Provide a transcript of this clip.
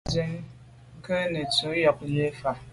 Á swɛ̌n ndwə́ rə̂ ŋgə́tú’ nyɔ̌ŋ lí’ fá.